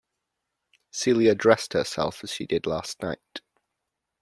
Celia dressed herself as she did last night.